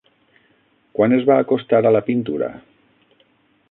Quan es va acostar a la pintura?